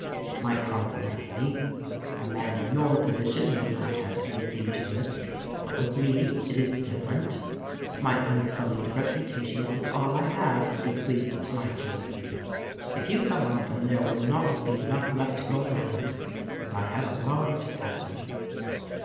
It might compromise me. A man in your position may not have anything to risk, but with me it is different. My unsullied reputation is all I have to bequeath to my children. If you come often there will not be enough left to go around, as I have a large family.